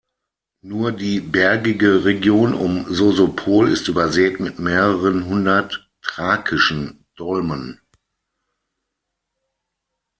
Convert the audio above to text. Nur die bergige Region um Sosopol ist übersät mit mehreren hundert thrakischen Dolmen.